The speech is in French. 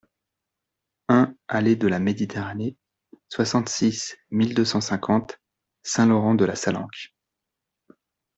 un allées de la Méditerranée, soixante-six mille deux cent cinquante Saint-Laurent-de-la-Salanque